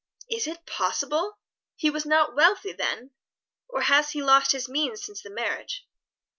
"Is it possible! He was not wealthy then? Or has he lost his means since the marriage?"